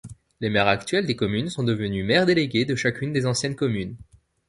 Les maires actuels des communes sont devenus maires délégués de chacune des anciennes communes.